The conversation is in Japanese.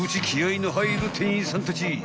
気合の入る店員さんたち］